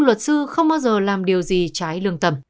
luật sư không bao giờ làm điều gì trái lương tâm